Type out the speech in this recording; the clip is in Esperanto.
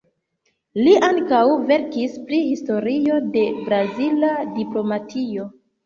Li ankaŭ verkis pri historio de brazila diplomatio.